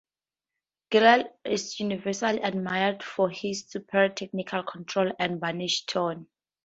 Gilels is universally admired for his superb technical control and burnished tone.